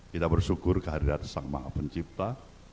kita bersyukur kehadiran sang maha pencipta